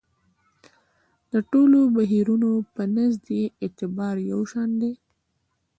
د ټولو بهیرونو په نزد یې اعتبار یو شان دی.